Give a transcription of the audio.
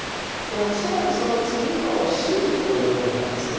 恐らくその次の「守意」というのがですね